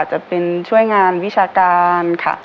จะเป็นช่วยงานวิชาการค่ะ